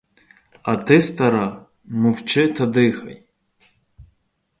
А ти, стара, мовчи та дихай.